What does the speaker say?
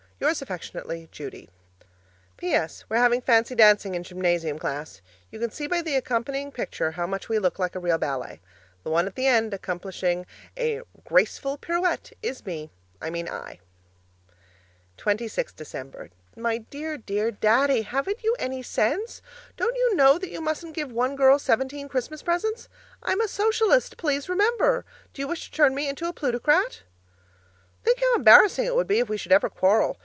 Yours affectionately, Judy PS. We're having fancy dancing in gymnasium class. You can see by the accompanying picture how much we look like a real ballet. The one at the end accomplishing a graceful pirouette is me I mean I. 26th December My Dear, Dear, Daddy, Haven't you any sense? Don't you KNOW that you mustn't give one girl seventeen Christmas presents? I'm a Socialist, please remember; do you wish to turn me into a Plutocrat? Think how embarrassing it would be if we should ever quarrel!